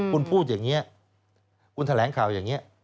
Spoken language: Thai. คุณพูดอย่างนี้คุณแถลงข่าวอย่างนี้